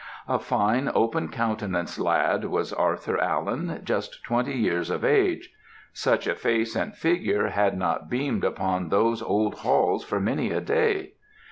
"A fine open countenanced lad was Arthur Allen, just twenty years of age; such a face and figure had not beamed upon those old halls for many a day.